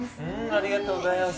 ありがとうございます。